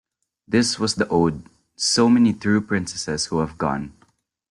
This was the ode "So many true Princesses who have gone".